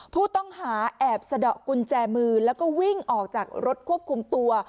ผู้ต้องหาแอบสะดอกกุญแจมือแล้วก็วิ่งออกจากรถควบคุมตัว